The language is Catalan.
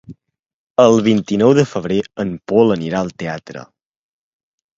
El vint-i-nou de febrer en Pol anirà al teatre.